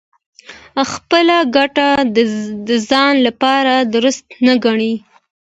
خپله ګټه د ځان لپاره دُرسته نه ګڼي.